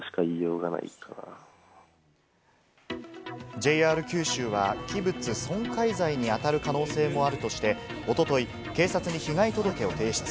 ＪＲ九州は器物損壊罪に当たる可能性もあるとして、一昨日、警察に被害届を提出。